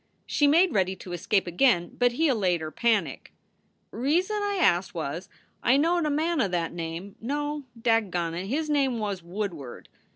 She made ready to escape again, but he allayed her panic: "Reason I ast was, I knowed a man o that name no, dadgone it! his name was Woodward.